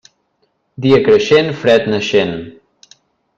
Dia creixent, fred naixent.